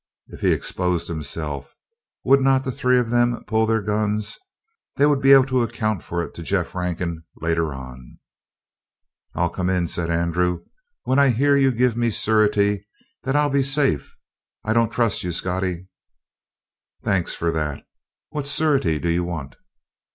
If he exposed himself, would not the three of them pull their guns? They would be able to account for it to Jeff Rankin later on. "I'll come in," said Andrew, "when I hear you give me surety that I'll be safe. I don't trust you, Scottie." "Thanks for that. What surety do you want?"